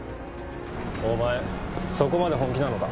お前そこまで本気なのか？